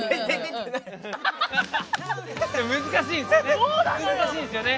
難しいですよね。